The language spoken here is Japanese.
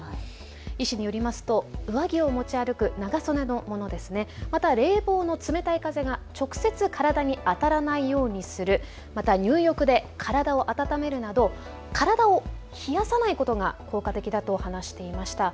医師によりますと上着を持ち歩く長袖のもの、また冷房の冷たい風が直接体に当たらないようにする、また入浴で体を温めるなど体を冷やさないことが効果的だと話していました。